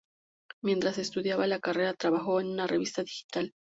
Mientras estudiaba la carrera trabajó en una revista digital.